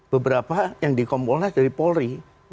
beberapa yang di kompolnas dari polri